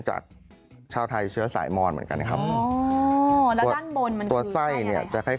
ข้างบัวแห่งสันยินดีต้อนรับทุกท่านนะครับ